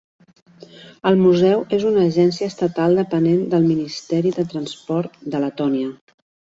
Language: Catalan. El museu és una agència estatal dependent del Ministeri de Transport de Letònia.